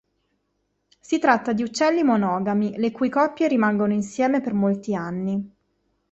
Si tratta di uccelli monogami, le cui coppie rimangono insieme per molti anni.